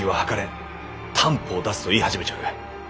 担保を出せ」と言い始めちょる。